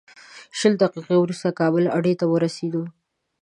شل دقیقې وروسته کابل اډې ته ورسېدو.